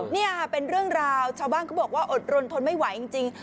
นี่ค่ะเป็นเรื่องราวชาวบ้านเขาบอกว่าอดรนทนไม่ไหวจริง